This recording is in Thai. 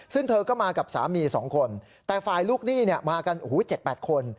ซึ่งเธอก็มากับสามี๒คนแต่ฝ่ายลูกหนี้มากัน๗๘คน